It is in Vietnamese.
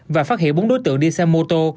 và phát hiện bốn đối tượng đi xe mô tô